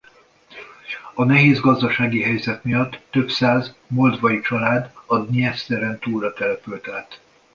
A nehéz gazdasági helyzet miatt több száz moldvai család a Dnyeszteren túlra települt át.